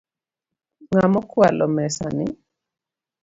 Ng'a mokwalo mesana?